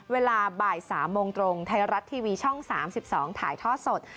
เวลาบ่าย๓โมงตรงไทยรัฐทีวีช่อง๓๒ถ่ายทอดสด